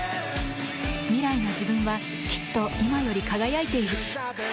未来の自分はきっと今より輝いている。